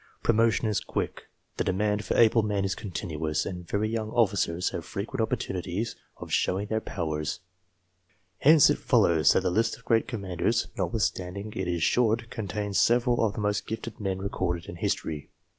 Promotion is quick, the demand for able men is continuous, and very young officers have frequent opportunities of showing their powers. Hence it follows that the list of great commanders, notwithstanding it is short, contains several of the most gifted men recorded in history.